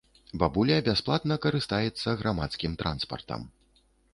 Бабуля бясплатна карыстаецца грамадскім транспартам.